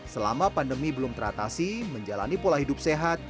selama pandemi belum teratasi menjalani pola hidup sehat